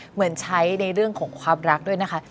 เหมือนใช้ในเรื่องของความรักด้วยนะคะ